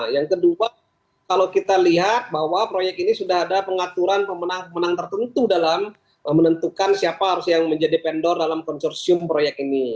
yang kedua kalau kita lihat bahwa proyek ini sudah ada pengaturan pemenang pemenang tertentu dalam menentukan siapa harus yang menjadi vendor dalam konsorsium proyek ini